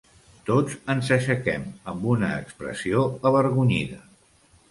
Tots ens aixequem, amb una expressió avergonyida